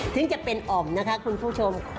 ถึงจะเป็นอ่อมนะคะคุณผู้ชม